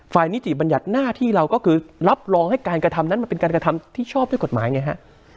นิติบัญญัติหน้าที่เราก็คือรับรองให้การกระทำนั้นมันเป็นการกระทำที่ชอบด้วยกฎหมายไงฮะ